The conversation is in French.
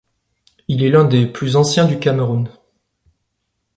Il est l'un des plus anciens du Cameroun.